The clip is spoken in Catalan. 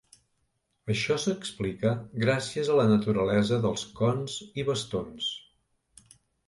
Això s'explica gràcies a la naturalesa dels cons i bastons.